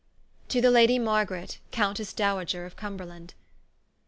To the Ladie Margaret Coun tesse Dowager of Cumberland.